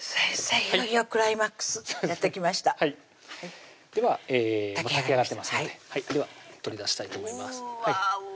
いよいよクライマックスやって来ましたでは炊き上がってますので取り出したいと思いますうわうわうわうわ